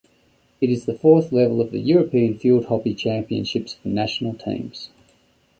It is the fourth level of the European field hockey Championships for national teams.